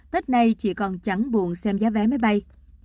tết nay chỉ còn chẳng buồn xem giá vé máy bay